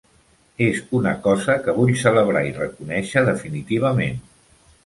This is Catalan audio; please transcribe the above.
És una cosa que vull celebrar i reconèixer definitivament.